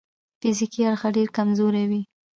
د فزیکي اړخه ډېر کمزوري وي.